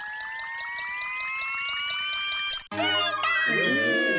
ついた！